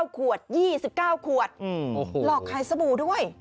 ๑๙ขวด๒๐๑๙ขวดลอกใครซะบูด้วยอืมโอ้โห